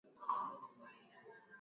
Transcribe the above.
Kuna wakati wa giza